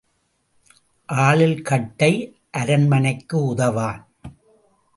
ஆளில் கட்டை அரண்மனைக்கு உதவான்.